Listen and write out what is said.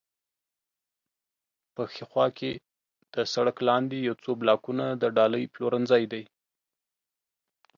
په ښي خوا کې د سړک لاندې یو څو بلاکونه د ډالۍ پلورنځی دی.